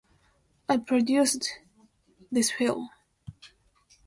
I produced this film.